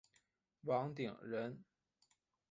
王鼎人。